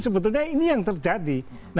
sebetulnya ini yang terjadi